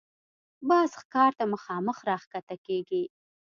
باز ښکار ته مخامخ راښکته کېږي